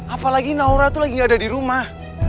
apalagi naura tuh lagi gak ada di rumah